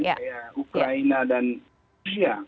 seperti ukraina dan rusia